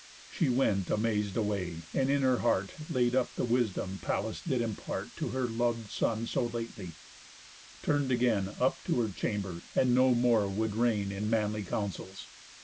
She went amaz'd away, and in her heart Laid up the wisdom Pallas did impart To her lov'd son so lately, turn'd again Up to her chamber, and no more would reign In manly counsels.